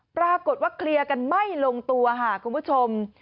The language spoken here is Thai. ปรากฏว่าเคลียร์กันไม่ลงตัวค่ะคุณผู้ชม